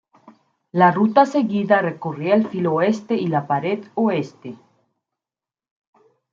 La ruta seguida recorría el filo oeste y la pared oeste.